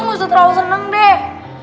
nggak usah terlalu senang deh